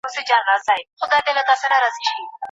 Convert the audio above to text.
د هرات ښار د تاریخ په اوږدو کې ډېر بدلونونه ليدلي.